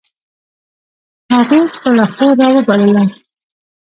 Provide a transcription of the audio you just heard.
هغې خپله خور را و بلله